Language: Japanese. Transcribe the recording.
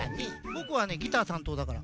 ぼくはねギターたんとうだから。